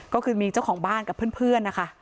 ก็คือมีเจ้าของบ้านกับเพื่อนนะคะ